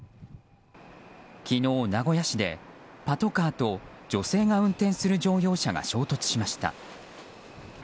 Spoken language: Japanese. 昨日、名古屋市で、パトカーと女性が運転する乗用車が衝突しました。